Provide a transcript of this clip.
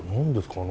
あの。